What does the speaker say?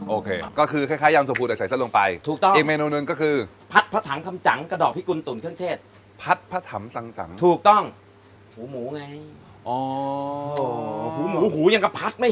โอเคก็คือคล้ายยำถั่วภูใส่เส้นลงไป